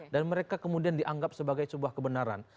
dan mereka kemudian dianggap sebagai sebuah kebenaran